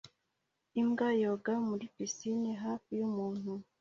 Imbwa yoga muri pisine hafi yumuntu